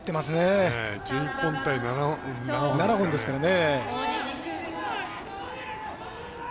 １１本対７本ですよね。